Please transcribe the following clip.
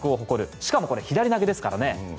しかも、左投げですからね。